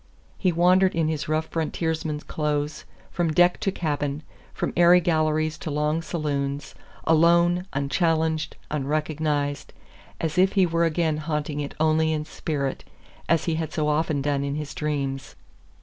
He wandered in his rough frontiersman's clothes from deck to cabin, from airy galleries to long saloons, alone, unchallenged, unrecognized, as if he were again haunting it only in spirit, as he had so often done in his dreams.